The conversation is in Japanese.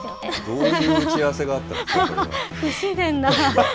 どういう打ち合わせがあったんですか、これは。